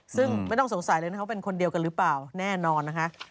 ซึ่งไม่ต้องสงสัยเลยนะคะว่าเป็นคนเดียวกันหรือเปล่าแน่นอนนะคะ